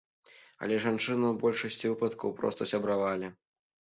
Але жанчыны ў большасці выпадкаў проста сябравалі.